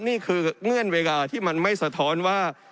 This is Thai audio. เงื่อนเวลาที่มันไม่สะท้อนว่า